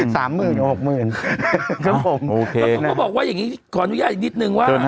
สามหมื่นหกหมื่นครับผมโอเคแล้วผมก็บอกว่าอย่างงี้ขออนุญาตอีกนิดนึงว่า